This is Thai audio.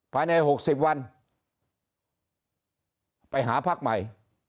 ภายในหกสิบวันไปหาภักดิ์ใหม่